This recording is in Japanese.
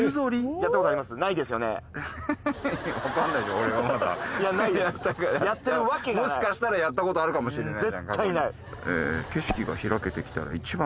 やったかもしかしたらやったことあるかもしれないじゃん